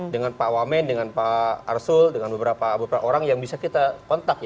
dengan pak wamen dengan pak arsul dengan beberapa orang yang bisa kita kontak